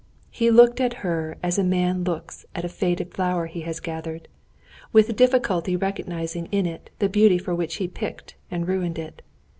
He looked at her as a man looks at a faded flower he has gathered, with difficulty recognizing in it the beauty for which he picked and ruined it.